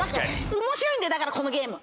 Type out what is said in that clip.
面白いんだよだからこのゲーム。